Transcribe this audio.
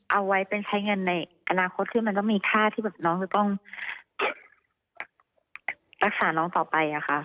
เอาไว้เป็นใช้เงินในอนาคตคือมันต้องมีค่าที่แบบน้องจะต้องรักษาน้องต่อไปอะค่ะ